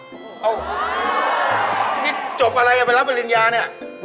เอ้าพี่จบอะไรไปรับปริญญาเนี่ย